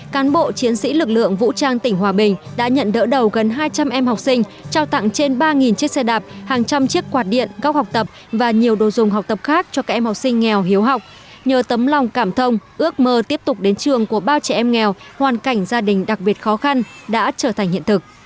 các đơn vị trong lực lượng vũ trang tỉnh hòa bình đã tổ chức các buổi tặng xe đạp máy tính casio bàn ghế đồ dùng học tập cho các em học sinh có hoàn cảnh khó khăn nhân dịp khai giảng năm học mới hai nghìn hai mươi hai nghìn hai mươi một